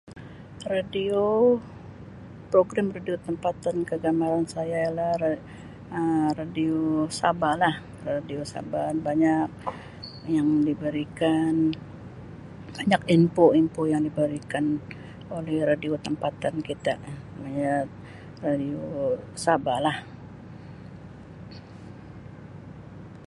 Radio program radio tempatan kegemaran saya ialah Um radio Sabah lah radio Sabah banyak yang diberikan banyak info-info yang diberikan oleh radio tempatan kita terutamanya radio Sabah lah.